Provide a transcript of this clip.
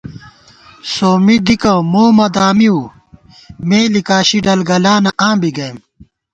سومّی دِکہ مو مہ دامِؤ مے لِکاشی ڈلگلانہ آں بی گئیم